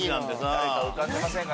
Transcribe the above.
誰か浮かんでませんか？